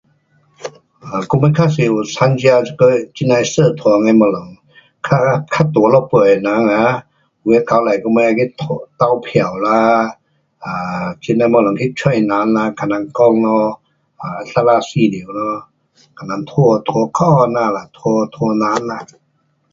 我们较多有参加这个这那的社团的东西，较，较大一辈的人呐，有的交代我们去投票啦，这那东西去找人跟人讲咯。um 怎样前后咯，跟人拉，拉脚这样啦。拉，拉人啦。